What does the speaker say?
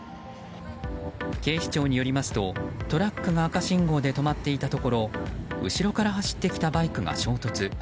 警視庁によりますとトラックが赤信号で止まっていたところ後ろから走ってきたバイクが衝突。